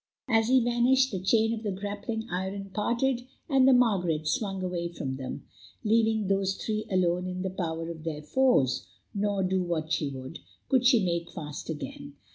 As he vanished, the chain of the grappling iron parted, and the Margaret swung away from them, leaving those three alone in the power of their foes, nor, do what she would, could she make fast again.